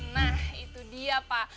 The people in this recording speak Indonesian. nah itu dia pak